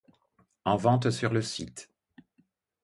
En vente sur le site.